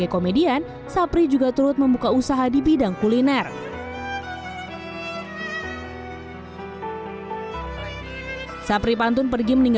komedian sapri pantun